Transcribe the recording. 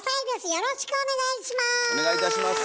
よろしくお願いします。